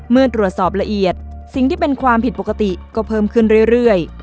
เมื่อตรวจสอบละเอียดสิ่งที่เป็นความผิดปกติก็เพิ่มขึ้นเรื่อย